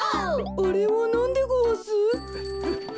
あれはなんでごわす？